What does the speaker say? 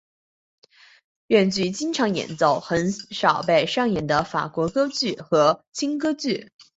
剧院经常演奏很少被上演的法国歌剧和轻歌剧。